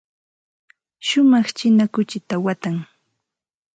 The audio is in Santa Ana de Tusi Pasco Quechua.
Shumaq china kuchita watan.